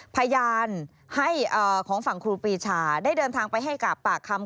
พยานของฝั่งครูปีชาได้เดินทางไปให้กับปากคำ